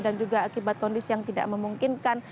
dan juga akibat kondisi yang tidak memungkinkan